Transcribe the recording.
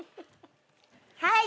はい。